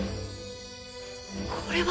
これは！